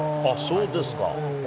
そうですか。